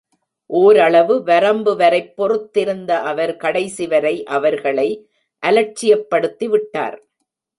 ஓரளவு வரம்பு வரைப் பொறுத்திருந்த அவர், கடைசிவரை அவர்களை அலட்சியப்படுத்தி விட்டார்.